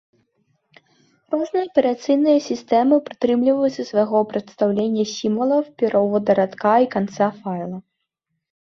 Розныя аперацыйныя сістэмы прытрымліваюцца свайго прадстаўлення сімвалаў перавода радка і канца файла.